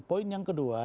poin yang kedua